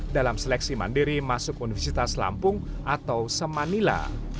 dalam seleksi mandiri masuk universitas lampung atau semanila